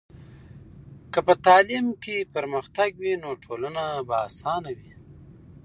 که په تعلیم کې پرمختګ وي، نو ټولنه به اسانه وي.